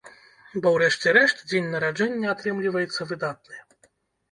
Бо ў рэшце рэшт дзень нараджэння атрымліваецца выдатны.